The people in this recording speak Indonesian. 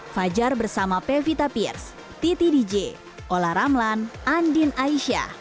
fajar bersama pevita pierce titi dj ola ramlan andin aisyah